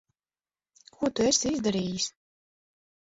Ko tu esi izdarījis?